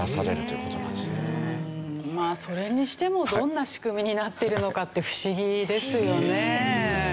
それにしてもどんな仕組みになってるのかって不思議ですよね。